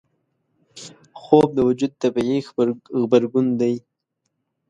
خوب د وجود طبیعي غبرګون دی